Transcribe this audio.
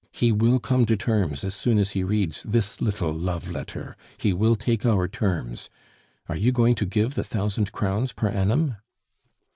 He will come to terms as soon as he reads this little love letter. He will take our terms. Are you going to give the thousand crowns per annum?"